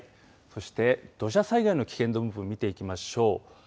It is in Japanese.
そして土砂災害の危険度分布見ていきましょう。